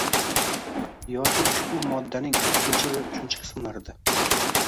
yoki ushbu moddaning ikkinchi va uchinchi qismlarida